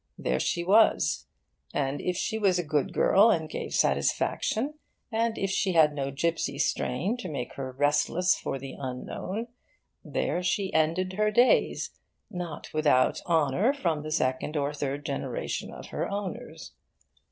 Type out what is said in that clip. There she was; and if she was a good girl and gave satisfaction, and if she had no gipsy strain, to make her restless for the unknown, there she ended her days, not without honour from the second or third generation of her owners.